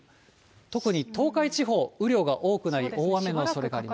特に東海地方、雨量が多くなり、大雨のおそれがあります。